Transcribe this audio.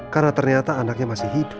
karena ternyata anaknya masih hidup